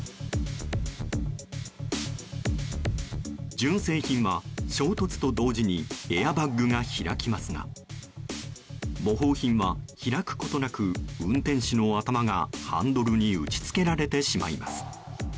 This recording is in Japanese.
純正品は衝突と同時にエアバッグが開きますが模倣品は開くことなく運転手の頭がハンドルに打ちつけられてしまいます。